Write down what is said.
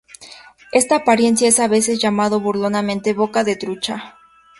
Esta apariencia es a veces llamado burlonamente "Boca de trucha".